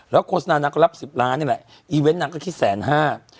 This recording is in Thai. แล้วก็โกสนานางรับ๑๐ล้านเนี่ยแหละอีเว้นต์นางก็มา๑๙๘๕